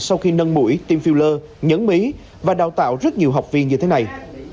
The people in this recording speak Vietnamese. sau khi nâng mũi tiêm filler nhấn mỹ và đào tạo rất nhiều học viên như thế này